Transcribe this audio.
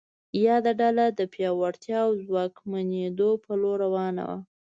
یاده ډله د پیاوړتیا او ځواکمنېدو په لور روانه وه.